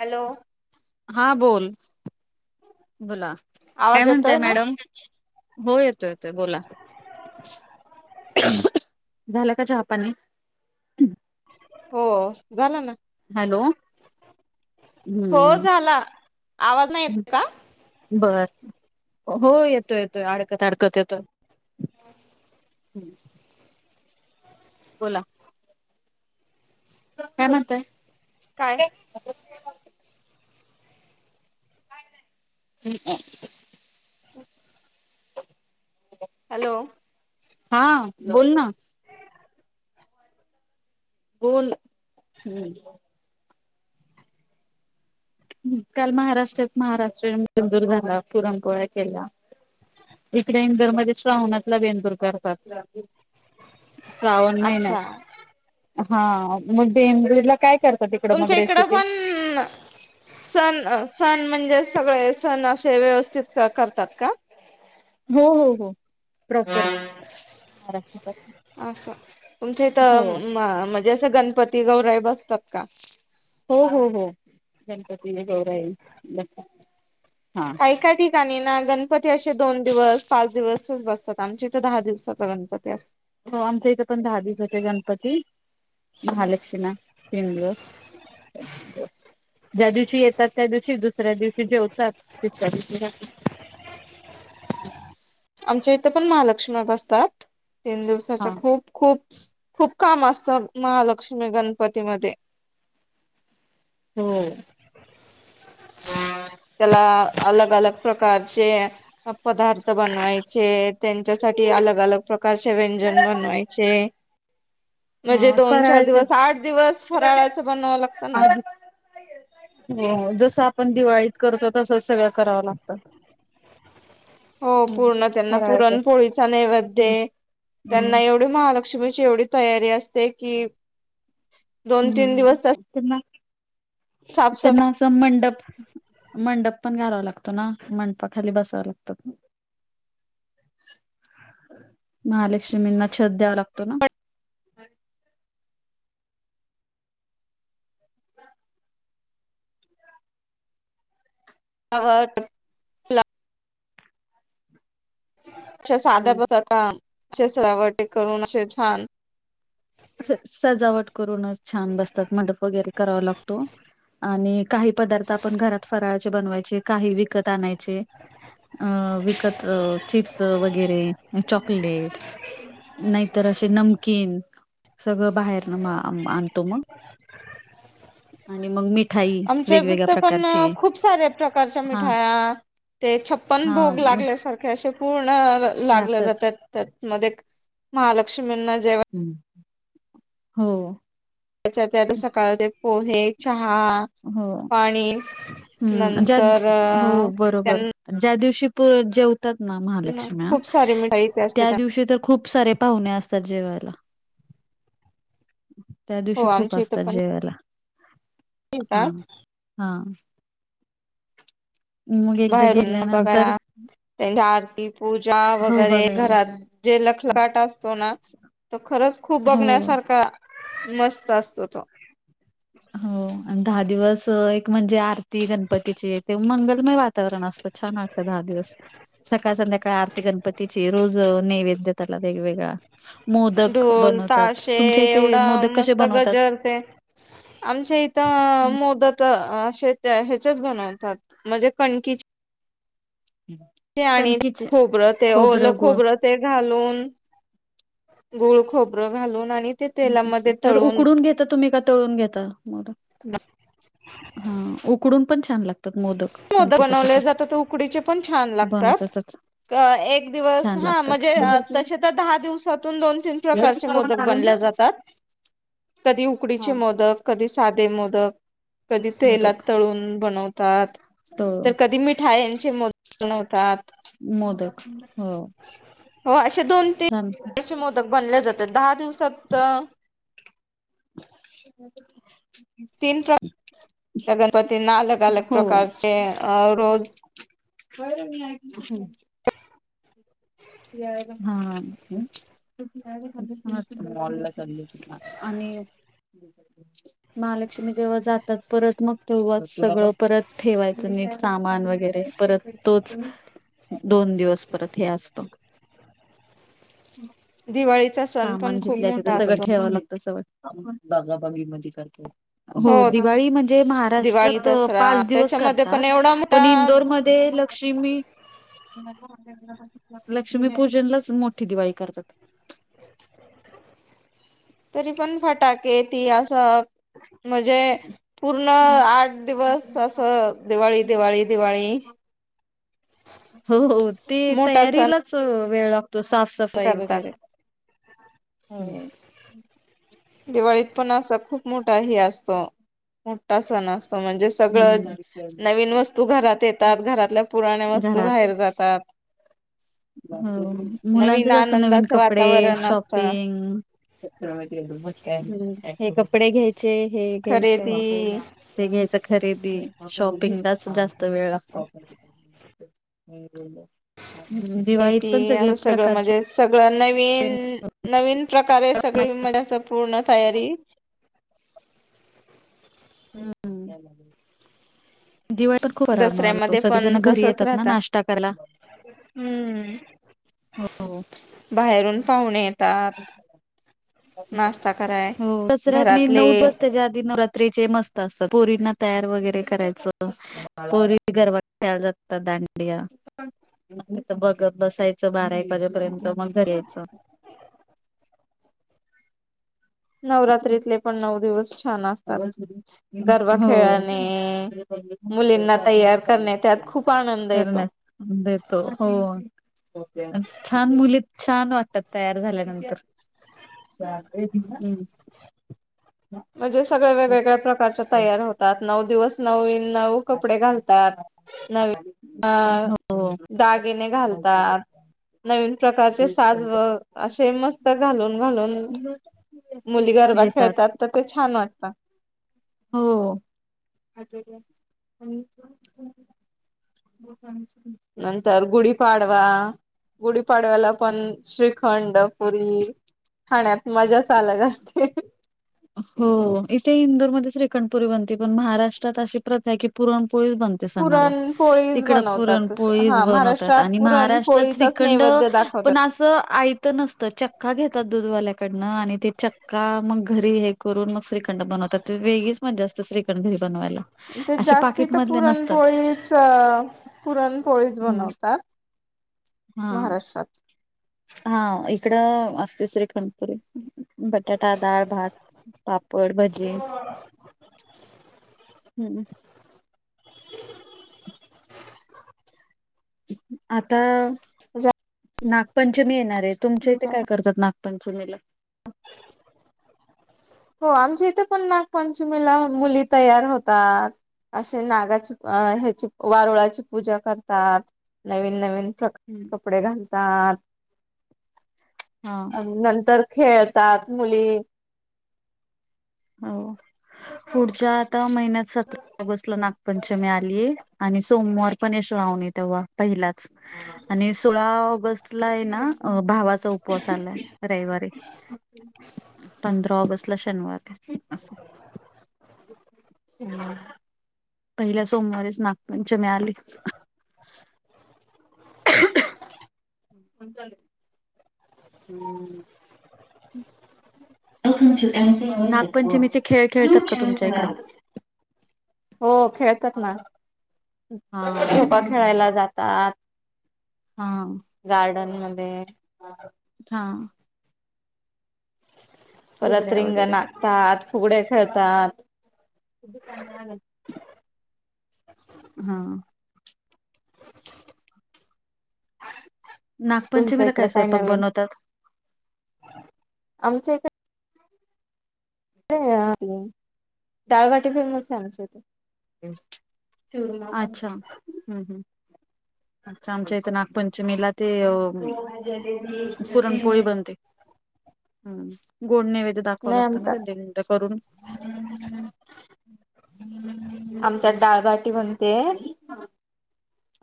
Hello हा बोल बोला काय आवाज म्हणताय येतोय ना मॅडम हो येतो येतोय बोला झाला का चहापानी हो झाला ना हॅलो हो हम्म झाला आवाज नाही येत का बर हो येतोय येतोय अडकत अडकत येतोय हम्म बोला काय म्हणताय काय [unintelligible] हम् हम [unintelligible] [inaudible] [inaudible] हॅलो हा बोल ना बोल हम् काल महाराष्ट्रात महाराष्ट्रीयन बेंदूर झाला पुरणपोळ्या केल्या, इकडे इंदूर मध्ये श्रावणातला बेंदूर कर श्रावण अच्छा महिन्यात हा, मग बेंदूरला काय करता तिकड मग रेसिपी? हम्म सण, सण म्हणजे सगळे सण असे व्यवस्थित करतात का? हो, हो, हो प्रॉपर. महाराष्ट्रासाठी असं, तुमच्या इथ म्हणजे असं गणपती गौराई बसतात का? हो, हो, हो गणपती गौराई बसतात. ऐका की ठिकाणी ना गणपती दोन दिवस, पाच दिवसच बसतात आमच्या इथं दहा दिवसाचा गणपती असतो. हो आमच्या इथे पण दहा दिवसाचे गणपती महालक्ष्णा सिंंग ज्या दिवशी येतात त्या दिवशी दुसऱ्या दिवशी जेवतात, तिसऱ्या दिवशी [unintelligible] आमच्या इथं पण महालक्ष्मी, बसतात तीन दिवसाच्या हा खूप खूप, खूप काम असतात महालक्ष्मी गणपतीमध्ये. [unintelligible] हो [unintelligible] त्येला अलग, अलग प्रकारचे पदार्थ बनवायचे त्येच्यासाठी अलग अलग प्रकारचे व्यंजन बनवायचे. म्हणजे ह दोन चार फराळाचे दिवस, आठ दिवस फराळाचं बनवाव लागतं ना. आधीच हो जस आपण दिवाळीत करतो, तसच सगळं कराव लागतं. हो पूर्ण त्यांना फराळाचं पुरणपोळीचा नैवैद्य त्यांन हम्म एव वढी महालक्ष्मीची एवढी तयारी असते की दोन तीन हम्म, दिवस त्या त्येना त्येना अस मंडप, मंडप पण घालावा लागतो ना, मंडपाखाली बसाव लागतं. [unintelligible] महालक्ष्मींना छत द्यावा लागतो ना. आवट असा साध्या हम्म. पद्धत [unintelligible] सजावट करून असे छान सजावट करूनच छान बसतात मंडप वगैरे करावा लागतो आणि काही पदार्थ आपण घरात फराळाचे बनवायचे काही विकत आणायचे. अ विकत अ, चिप्स वगैरे चॉकलेट. नाहीतर अशे नमकीन सगळं बाहेरन म आणतो मंग [unintelligible] मिठाई [unintelligible] आमच्या वेगवेगळ्या इथं पण प्रकारची खूप साऱ्या प्रकारच्या हा मिठाया ते छप्पन हा भोग लागल्या सारख अशे पूर्ण लागले लागतात. जातात, त्या मध्ये महालक्ष्मीना जेव्हा हम्, हो त्याच्यात आत सकाळचे पोहे, चहा, हो पाणी हम्म ज्या नंतर हो बरोबर त्यांनं ज्या दिवशी जेवतात ना महालक्ष्मी खूप सारी मिठाई इथे असते त्या दिवशी तर खूप सारे पाहुणे असतात जेवायला. हो दिवशी खूप आमच्या इथं असतात पण जेवायला. हा येतात हा मग एकदा बाहेरून गेल्यानंतर बघायला. त्यांची आरती पूजा हो वगैरे बघायला. घरात जे लखलखाट असते. असतो ना तो खरंच खूप हो. बघण्यासारखा मस्त असतो तो, हो आणि दहा दिवस एक म्हणजे आरती गणपतीची ते मंगलमय वातावरण असत. छान वाटत दहा दिवस सकाळ, संध्याकाळ आरती गणपतीची रोज नैवेद्य त्याला वेगवेगळा मोदक बनवतात. ढोल-ताशे तुमच्या इथे एवढा मोदक कसे मस्त बनवतात? गजर ते आमच्या हं. इथं मोदक अस हेच्यात बनवतात म्हणजे कणकिच्या हम् आणि खोबरं ते ओलं गुळ. खोबरं ते घालून गुळ, खोबरं घालून आणि ते तेलामध्ये तर तळून उकडून घेता तुम्ही का तळून घेता मोदक हा उकडून पण छान लागत मोदक बनवले जातात. तर उकडीचे पण छान लागतात. बनवतातच अ एक दिवस छान हा लागतात. म्हणजे हं, प्रकारचे? तसे तर दहा दिवसातून दोन तीन प्रकारचे मोदक बनल्या जातात. कधी उकडीचे हां. मोदक, कधी साधे मोदक कधी मोदक तेलात तळून बनवतात. तर तळून कधी मिठायांंचे मोदक बनवतात. मोदक हो हो असे दोन छान तीन चे मोदक बनले जातात. दहा दिवसात ह [unintelligible] तीन प्र गणपतींना अलग-अलग हो. प्रकारचे रोज [unintelligible] हम् [inaudible] आणि महालक्ष्मी जेव्हा जातात. परत मग तेव्हा सगळं परत ठेवायचं नीट सामान वगैरे, परत तोच दोन दिवस परत हे असतो. दिवाळीचा सण पण सामान खूप जितल्या-तिथं मोठा तर सगळं असतो. ठेवं लागतव [unintelligible] हो दिवाळी म्हणजे, दिवाळी, महाराष्ट्रात दसरा पाच दिवस त्याच्यामध्ये करतात पण एवढा पण मोठा इंदोरमध्ये लक्ष्मी-------लक्ष्मी पूजनलाच मोठी दिवाळी करतात. तरी पण फटाके ती अस, म्हणजे पूर्ण आठ दिवस असं दिवाळी, दिवाळी, दिवाळी [unintelligible] हो हो ते मोठा तयारी सण अस वेळ लागतो साफसफाई करतात वगैरे, हो दिवाळीत पण असा खूप मोठा हे असतो. मोठा सण असतो म्हणजे म्हणजे सगळं हम्म नवीन वस्तू घरात येतात घरातल्या पुराण्या वस्तू घरात बाहेर जातात. हो मुलांच नवीन जास्त नवीन आनंदाचं कपडे वातावरण असतं शॉपिंग हे कपडे घ्यायचे. हे घ्यायचं. खरेदी ते घ्यायचं खरेदी शॉपिंगलाच जास्त वेळ लागतो. [unintelligible] हे दिवाळीत ते पण सगळे असं सगळं म्हणजे प्रकारचे सगळं नवीन, नवीन प्रकारे सगळी [unintelligible] असं पूर्ण तयारी [unintelligible] दिवाळीत पण खूप [unintelligible] दसऱ्यामध्ये सगळे पण जण घरी तसच येतात ना राहत नाश्ता करायला. हम्म. हो. बाहेरून पाहून येतात. नाश्ता [unintelligible] कराय तसं घरातले पोरींना तयार वगैरे करायचं पोरी गरबा खेळायला जातात दांडिया, बघत बसायच बारा एक वाजेपर्यंत, मग घरी यायचं. नवरात्रीतले पण नऊ दिवस छान असतात, गरबा हो खेळाणे मुलींना तयार करणे, त्यात खूप आनंद येतो. करण्यात देतो हो. छान मुली! छान वाटतात तयार झाल्यानंतर. [unintelligible] म्हणजे सगळ वेगवेगळ्या प्रकारच्या तयार होतात. नऊ दिवस नवीन नऊ कपडे घालतात, नवी अ हो दागिने घालतात नवीन प्रकारचे साज व, असे मस्त घालून घालून मुली गरबा येतात खेळतात, तर ते छान वाटतात! हो [unintelligible] [unintelligible] नंतर गुढीपाडवा, गुढीपाडव्याला पण श्रीखंड पुरी खाण्यात मजाच अलग असते! हो, इथे इंदोरमध्ये श्रीखंड पुरी बनते, पण महाराष्ट्रात अशी प्रथा आहे की पुरणपोळीच बनते सणाला, पुरण पोळीच तिकडे बनवतात पुरणपोळीच हा बनवतात. महाराष्ट्रात आणि पुरण महाराष्ट्रात श्रीख पोळीचाच श्रीखंड नैवेद्य पण दाखवतात. असं आइत आईत नसत. चक्का घेतात दूधवाल्याकडनं आणि ते चक्का मग घरी हे करून मग श्रीखं श्रीखंड बनवतात, वेगळीच मजा असते श्रीखंड घरी बनवायला. ते असे जास्ती तर पाकिटमधले नसतात. पुरणपोळीच, पुरणपोळीच हं. बनवतात. महाराष्ट्रात. हा इकड असते श्रीखंणपुरी. बटाटा, दाळ, भात, पापड, भजे हम्म. आता नागपंचमी येणार आहे, तुमच्या इथे काय करतात नाग पंचमीेला? [inaudible] हो, आमच्या इथे पण नागपंचमीला मुली तयार होतात असे नागाची, अ ह्याची, वारुळाची पूजा करतात. नवीन नवीन प्रक हम्म. कपडे घालतात, हा आणि नंतर खेळतात मुली. हो पुढच्या आठव्या महिन्यात सतरा ऑगस्टला नागपंचमी आली. आणि सोमवार पण आहे श्रावणी तेव्हा पहिलाच आणि सोळा ऑगस्ट ला आहे ना, अ भावाचा उपवास आलाय रविवारी. पंधरा ला ऑगस्टला शनिवारी आहे? अस ह् पहिल्या सोमवारीेच नागपंचमी आलीच? हम् त खेळ खेळतात का तुमच्या इकडं [unintelligible] हो खेळतात ना, हा झोोका खेळायला जातात. हा गार्डन मध्ये, हा. परत फुगड्या रिंग वगैरे आकतात फुगड्या खेळतात. खुप चांगल लागत? अच्छा,. हा तुमच्या नागपंचमीला इकडे काय? स्वयंपाक नवीन बनवतात. आमच्या येथे.. डाळबाटी फेमस आहे? आमच्या इथे, चूरमा पण अच्छा, हम्म हम्म अच्छा आमच्या इथं नागपंचमीला ते, अ पोहा, जिलेबी, पुरणपोळी सफरचंद. बनते. हम गोड नेवैद्य दाखवावं नाही लागतं आमच्या ना दिंड करून, आमच्यात हां. डाळबाटी बनते?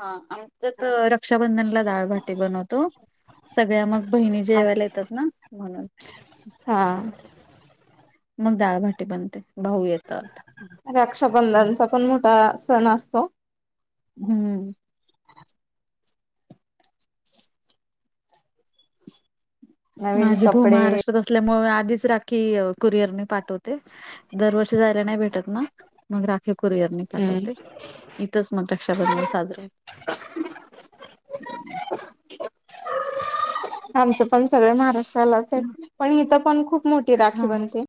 हा आमच्यात रक्षाबंधनला डाळभाटी बनवतो.? सगळ्या मग बहिणी जेवायला येतात. ना म्हणून हां. मग, डाळभाटी बनते भाऊ येतात. रक्षाबंधनचा पण मोठा सण असतो. हम्म. नवीन माझी भाू कपडे महाराष्ट्र असल्यामुळे आधीच राखी कुरियर मी पाठवते? दरवर्षी जायला नाही भेटत. मग राखी कुरिअरनी हम्म पाठवते. इथंच मग, रक्षाबंधन साजरं होतं? आमचं पण सगळ महाराष्ट्रालाच आहे पण इथं पण खूप मोठी राखी हां. बनते.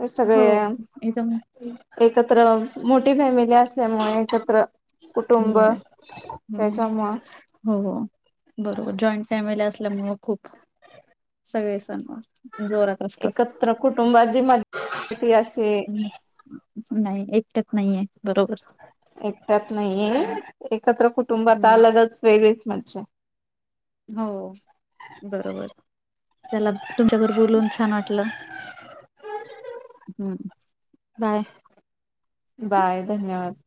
हे सगळे.. हो एकत्र मोठी फॅमिली असल्यामुळे एकत्र म कुटुंब हम्म त्याच्यामुळं हो हो, बरोबर जॉईंट फॅमिली असल्यामुळं खूप सगळे सणवार एकत्र कुटुंबाचीी मज्जा अशीय, हम्म. नाही एकट. नाहीये बरोबर एकट्यात नाहीये हम्म एकत्र कुटुंबात हम्म. अलगच वेगळीच म्ज्जा. हो बरोबर? चला तुमच्याबर बोलून छान वाटलं? हम्म बाय! ! बाय धन्यवाद, ! !?